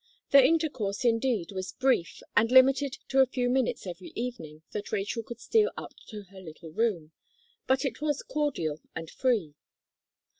Their intercourse, indeed, was brief, and limited to a few minutes every evening that Rachel could steal up to her little room, but it was cordial and free.